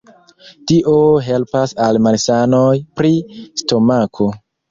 Tio helpas al malsanoj pri stomako.